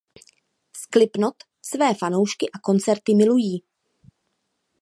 Slipknot své fanoušky a koncerty milují.